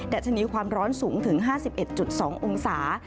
ัชนีความร้อนสูงถึง๕๑๒องศา